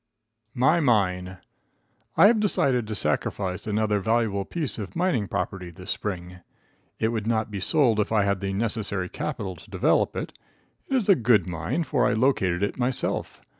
My Mine. I have decided to sacrifice another valuable piece of mining property this spring. It would not be sold if I had the necessary capital to develop it. It is a good mine, for I located it myself.